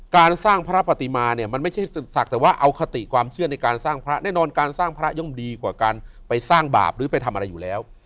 การสร้างพระปฏิมาเนี่ยมันไม่ใช่ศักดิ์แต่ว่าเอาคติความเชื่อในการสร้างพระแน่นอนการสร้างพระย่อมดีกว่าการไปสร้างบาปหรือไปทำอะไรอยู่แล้ว